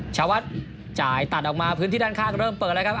ชาวัดจ่ายตัดออกมาพื้นที่ด้านข้างเริ่มเปิดแล้วครับ